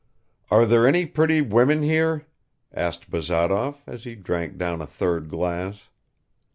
"Are there any pretty women here?" asked Bazarov, as he drank down a third glass.